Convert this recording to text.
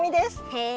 へえ。